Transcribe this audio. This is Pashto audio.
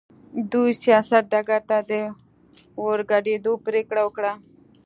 دوی سیاست ډګر ته د ورګډېدو پرېکړه وکړه.